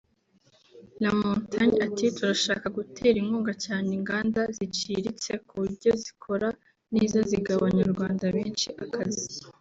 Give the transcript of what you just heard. Lamontagne ati « Turashaka gutera inkunga cyane inganda ziciritse ku buryo zikora neza zigaha Abanyarwanda benshi akazi